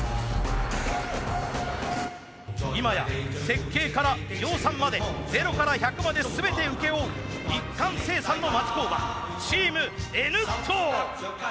今や設計から量産まで０から１００まで全て請け負う一貫生産の町工場チームＮットー。